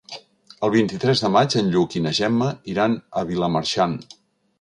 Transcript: El vint-i-tres de maig en Lluc i na Gemma iran a Vilamarxant.